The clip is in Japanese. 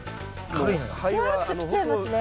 ふわっときちゃいますね。